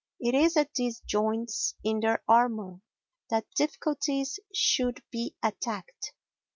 It is at these joints in their armour that difficulties should be attacked.